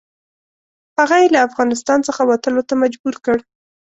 هغه یې له افغانستان څخه وتلو ته مجبور کړ.